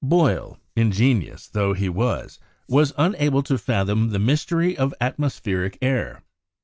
Boyle, ingenious though ho was, was unable to fathom the mystery of atmospheric air.